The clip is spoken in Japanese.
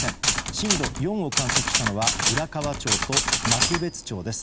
震度４を観測したのは浦河町と幕別町です。